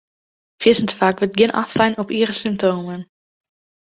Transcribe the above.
Fierstente faak wurdt gjin acht slein op iere symptomen.